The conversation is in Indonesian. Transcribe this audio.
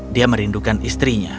dia merindukan istrinya